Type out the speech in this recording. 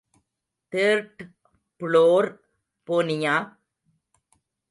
Third floor போனியா?